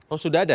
oh sudah ada